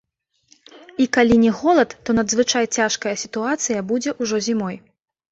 І калі не голад, то надзвычай цяжкая сітуацыя будзе ўжо зімой.